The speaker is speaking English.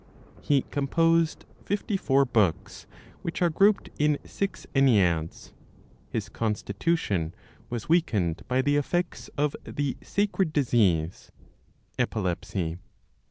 He composed fifty four books, which are grouped in six enneads. His constitution was weakened by the effects of the sacred disease (epilepsy).